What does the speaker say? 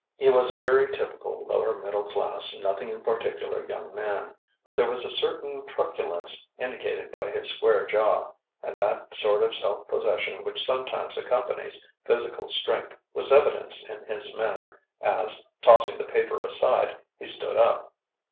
He was a very typical lower middle class, nothing in particular young man, but there was a certain truculence indicated by his square jaw, and that sort of self possession which sometimes accompanies physical strength was evidenced in his manner as, tossing the paper aside, he stood up.